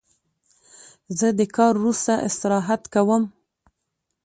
زه د کار وروسته استراحت کوم.